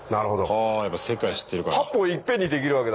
はやっぱ世界知ってるから。